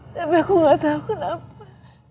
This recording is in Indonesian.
tapi aku gak tahu kenapa